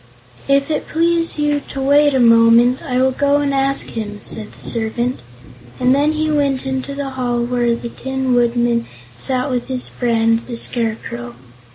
"If it please you to wait a moment, I will go and ask him," said the servant, and then he went into the hall where the Tin Woodman sat with his friend the Scarecrow.